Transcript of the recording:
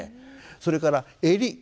それから襟。